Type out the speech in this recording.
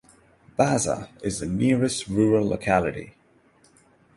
Baza is the nearest rural locality.